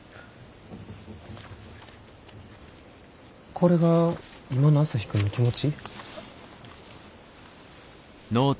これが今の朝陽君の気持ち？